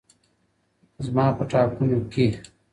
زما په ټاكنو كي